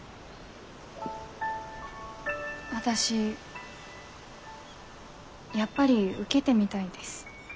私やっぱり受けてみたいです。